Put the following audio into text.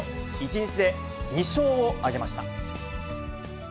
１日で２勝を挙げました。